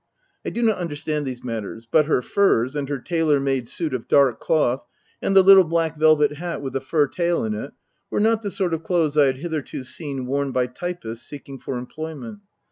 I do not understand these matters, but her furs, and her tailor made suit of dark cloth, and the little black velvet hat with the fur tail in it were not the sort of clothes I had hitherto seen worn by typists seeking for employment.